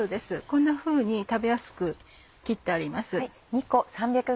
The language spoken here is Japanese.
こんなふうに食べやすく切ってあります。